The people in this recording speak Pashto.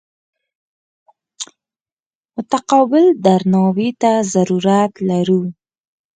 متقابل درناوي ته ضرورت لرو.